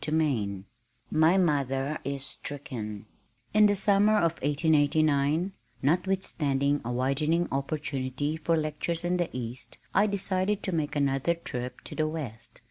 CHAPTER XXX My Mother is Stricken In the summer of 1889, notwithstanding a widening opportunity for lectures in the East, I decided to make another trip to the West.